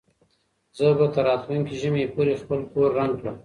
زه به تر راتلونکي ژمي پورې خپل کور رنګ کړم.